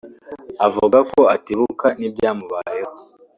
avuga ko atibuka n’ibyamubayeho